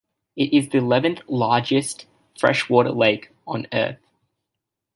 It is the eleventh-largest freshwater lake on Earth.